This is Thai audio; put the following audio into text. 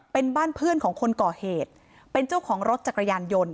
เป็นบ้านเพื่อนของคนก่อเหตุเป็นเจ้าของรถจักรยานยนต์